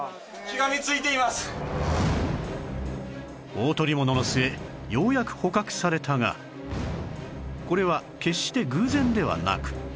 大捕物の末ようやく捕獲されたがこれは決して偶然ではなく